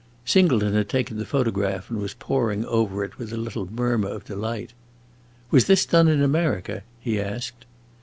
Singleton had taken the photograph and was poring over it with a little murmur of delight. "Was this done in America?" he asked.